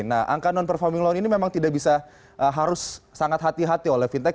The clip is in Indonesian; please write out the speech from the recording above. nah angka non performing loan ini memang tidak bisa harus sangat hati hati oleh fintech